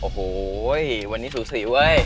ไปเร็ว